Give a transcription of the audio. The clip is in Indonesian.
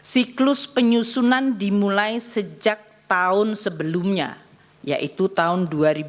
siklus penyusunan dimulai sejak tahun sebelumnya yaitu tahun dua ribu dua